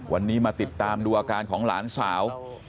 วันนี้มาติดตามดูอาการของหลานสาว